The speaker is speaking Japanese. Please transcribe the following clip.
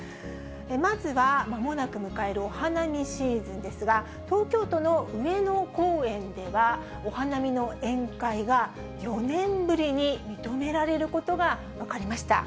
まずは、まもなく迎えるお花見シーズンですが、東京都の上野公園では、お花見の宴会が４年ぶりに認められることが分かりました。